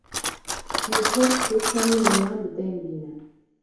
wî xwest ku çermê miyan bi deyn bîne